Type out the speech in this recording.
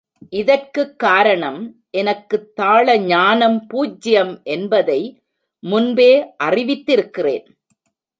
இதற்குக் காரணம் எனக்குத்தாள ஞானம் பூஜ்யம் என்பதை முன்பே அறிவித்திருக்கிறேன்.